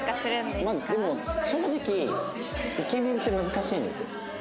でも正直イケメンって難しいんですよ。